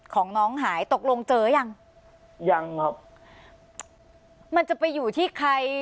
ของน้องหายตกลงเจอยังยังครับมันจะไปอยู่ที่ใคร